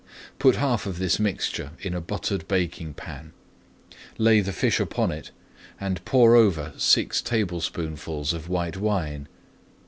Put half of this mixture in a buttered baking pan, lay the fish upon it, and pour over six tablespoonfuls of white wine.